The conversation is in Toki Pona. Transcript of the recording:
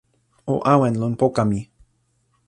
o awen lon poka mi.